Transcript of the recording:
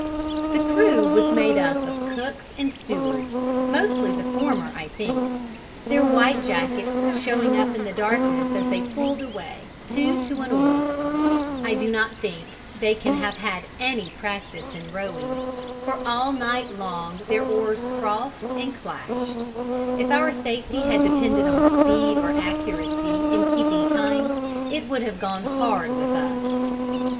The crew was made up of cooks and stewards, mostly the former, I think; their white jackets showing up in the darkness as they pulled away, two to an oar: I do not think they can have had any practice in rowing, for all night long their oars crossed and clashed; if our safety had depended on speed or accuracy in keeping time it would have gone hard with us.